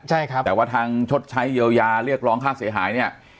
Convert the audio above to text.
ใช่ครับแต่ว่าทางชดใช้เยียวยาเรียกร้องค่าเสียหายเนี่ย